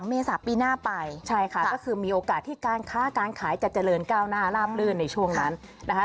เมษาปีหน้าไปใช่ค่ะก็คือมีโอกาสที่การค้าการขายจะเจริญก้าวหน้าลาบลื่นในช่วงนั้นนะคะ